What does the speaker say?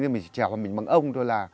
mình trèo vào mình bằng ông thôi là